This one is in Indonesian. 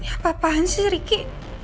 apa apaan sih riki